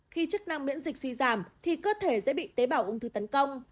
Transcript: khi chức năng miễn dịch suy giảm thì cơ thể dễ bị tế bào ung thư tấn công